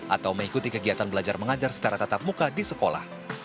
atau mengikuti kegiatan belajar mengajar secara tatap muka di sekolah